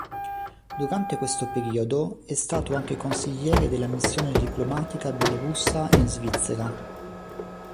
Durante questo periodo è stato anche consigliere della missione diplomatica bielorussa in Svizzera.